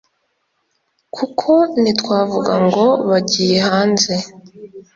kuko ntitwavuga ngo bagiye hanze